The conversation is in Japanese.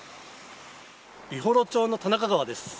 美幌町の田中川です。